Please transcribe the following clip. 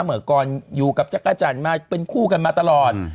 เมื่อก่อนอยู่กับจักรจันทร์มาเป็นคู่กันมาตลอด